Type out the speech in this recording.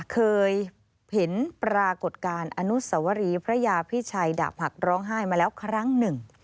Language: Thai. เคยเห็นปรากฏการณ์อนุสวรีพระยาพิชัยดาบหักร้องไห้มาแล้วครั้งหนึ่ง